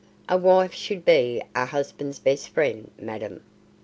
"A wife should be a husband's best friend, madam.